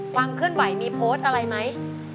ความเคลื่อนไหวมีโพสต์อะไรไหม